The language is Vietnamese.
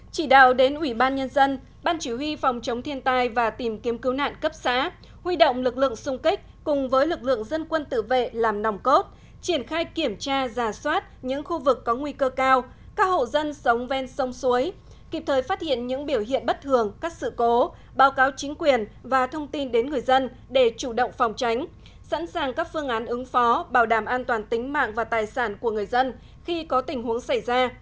hai chỉ đạo đến ủy ban nhân dân ban chỉ huy phòng chống thiên tai và tìm kiếm cứu nạn cấp xã huy động lực lượng xung kích cùng với lực lượng dân quân tự vệ làm nòng cốt triển khai kiểm tra giả soát những khu vực có nguy cơ cao các hậu dân sống ven sông suối kịp thời phát hiện những biểu hiện bất thường các sự cố báo cáo chính quyền và thông tin đến người dân để chủ động phòng tránh sẵn sàng các phương án ứng phó bảo đảm an toàn tính mạng và tài sản của người dân khi có tình huống xảy ra